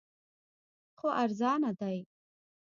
خو ارزانه دی